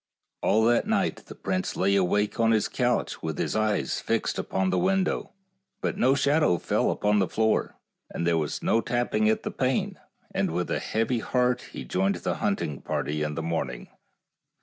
All that night the prince lay awake on his 70 FAIRY TALES couch with his eyes fixed upon the window, but no shadow fell upon the floor, and there was no tapping at the pane, and with a heavy heart he joined the hunting party in the morning.